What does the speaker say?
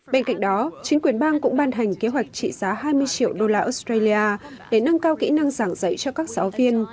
bên cạnh đó chính quyền bang cũng ban hành kế hoạch trị giá hai mươi triệu đô la australia để nâng cao kỹ năng giảng dạy cho các giáo viên